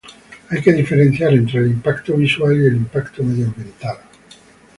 Hay que diferenciar entre el impacto visual y el impacto medioambiental.